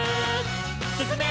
「すすめ！